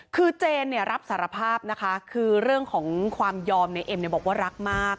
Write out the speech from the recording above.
คือเจนรับสารภาพนะคะคือเรื่องของความยอมในเอ็มบอกว่ารักมาก